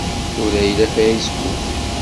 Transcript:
Tura yella Facebook!